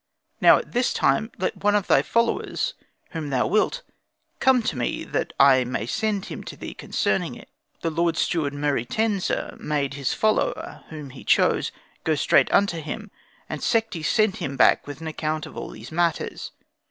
Now at this time let one of thy followers whom thou wilt, come to me that I may send him to thee concerning it." The Lord Steward Meruitensa made his follower, whom he chose, go straight unto him, and Sekhti sent him back with an account of all these matters.